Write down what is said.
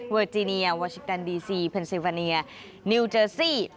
จีเนียวาชิตันดีซีเพนซิวาเนียนิวเจอร์ซี่